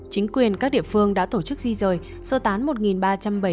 chính quyền các địa phương đã tổ chức di rời sơ tán một ba trăm bảy mươi hộ trên bốn nơi